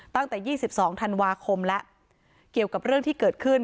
ตั้งแต่๒๒ธันวาคมแล้วเกี่ยวกับเรื่องที่เกิดขึ้น